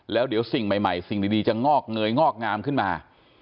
แล้วเดี๋ยวสิ่งใหม่สิ่งดีจะงอกเงยงอกงามขึ้นมา